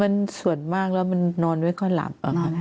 มันส่วนมากแล้วมันนอนไม่ค่อยหลับ